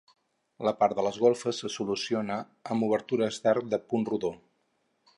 La part de les golfes se soluciona amb obertures d'arc de punt rodó.